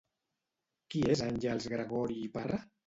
Qui és Àngels Gregori i Parra?